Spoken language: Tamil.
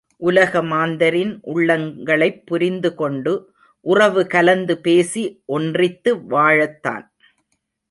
உலக மாந்தரின் உள்ளங்களைப் புரிந்து கொண்டு, உறவு கலந்து பேசி ஒன்றித்து வாழத்தான்!